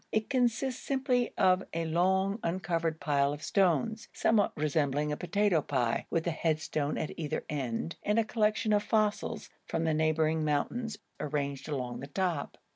It consists simply of a long uncovered pile of stones, somewhat resembling a potato pie, with a headstone at either end, and a collection of fossils from the neighbouring mountains arranged along the top.